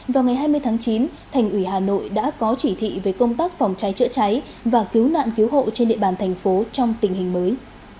vào ngày hai mươi tháng chín thành ủy hà nội đã có chỉ thị về công tác phòng cháy chữa cháy và cứu nạn cứu hộ trên địa bàn thành phố trong tình hình mới